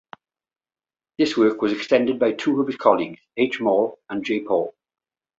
This work was extended by two of his colleagues, H. Mahl and J. Pohl.